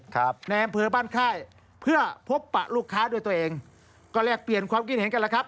ครับในอำเภอบ้านค่ายเพื่อพบปะลูกค้าด้วยตัวเองก็แลกเปลี่ยนความคิดเห็นกันแล้วครับ